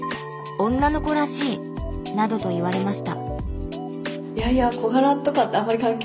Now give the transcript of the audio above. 「女の子らしい」などと言われました。